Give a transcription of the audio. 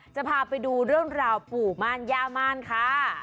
จะพาไปดูเรื่องราวปู่ม่านย่าม่านค่ะ